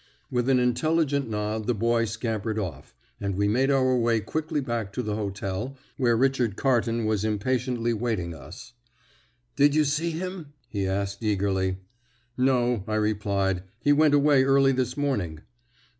With an intelligent nod the boy scampered off, and we made our way quickly back to the hotel, where Richard Carton was impatiently waiting us. "Did you see him?" he asked eagerly. "No," I replied, "he went away early this morning."